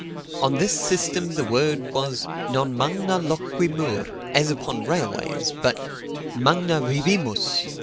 On this system the word was Non magna loquimur, as upon railways, but magna vivimus.